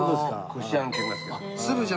こしあんといいますか。